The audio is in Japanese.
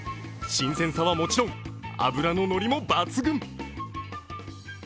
新鮮さはもちろん、脂の乗りも抜群。